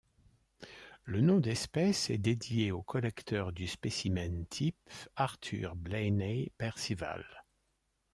Le nom d'espèce est dédié au collecteur du spécimen type, Arthur Blayney Percival.